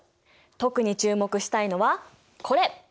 特に注目したいのはこれ。